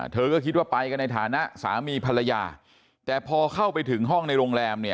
เธอก็คิดว่าไปกันในฐานะสามีภรรยาแต่พอเข้าไปถึงห้องในโรงแรมเนี่ย